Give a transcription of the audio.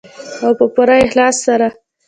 او په پوره اخلاص سره.